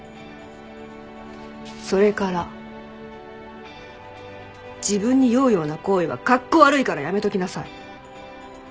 それから自分に酔うような行為はカッコ悪いからやめときなさい。